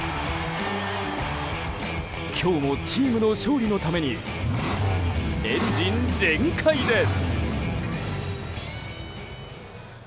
今日もチームの勝利のためにエンジン全開です！